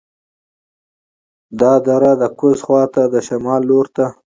دا دره د کوز خوات د شمال لور ته